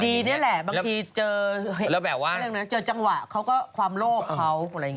ดีนี่แหละบางทีเจอเจอจังหวะเขาก็ความโลกเขาอะไรอย่างนี้